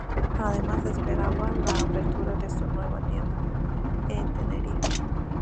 Además, se espera la apertura de su nueva tienda en Tenerife.